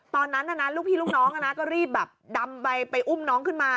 ตอนนั้นลูกพี่ลูกน้องก็รีบแบบดำไปอุ้มน้องขึ้นมา